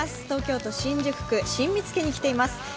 東京都新宿区、新見附に来ています。